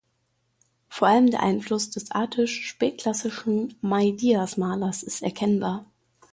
Vor allem der Einfluss des attisch-spätklassischen Meidias-Malers ist erkennbar.